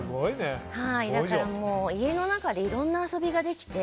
だから、家の中でいろんな遊びができて。